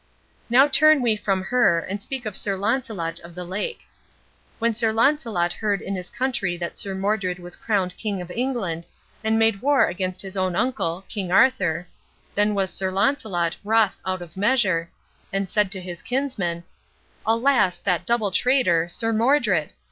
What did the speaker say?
Now turn we from her, and speak of Sir Launcelot of the Lake. When Sir Launcelot heard in his country that Sir Modred was crowned king of England, and made war against his own uncle, King Arthur, then was Sir Launcelot wroth out of measure, and said to his kinsmen: "Alas, that double traitor, Sir Modred!